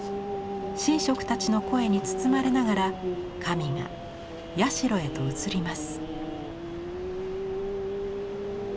神職たちの声に包まれながら神が社へと遷ります。